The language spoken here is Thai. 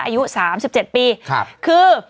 อายุ๓๗ปีคือ